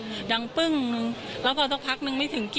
พูดสิทธิ์ข่าวธรรมดาทีวีรายงานสดจากโรงพยาบาลพระนครศรีอยุธยาครับ